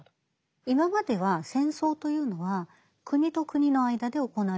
今までは戦争というのは国と国の間で行われるものだった。